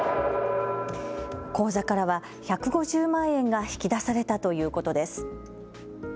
口座からは１５０万円が引き出されたということです。